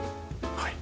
はい。